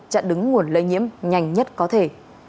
chặn đứng nguồn lây nhiễm nhanh nhất có thể